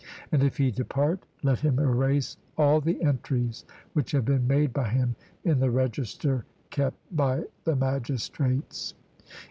And if he depart, let him erase all the entries which have been made by him in the register kept by the magistrates.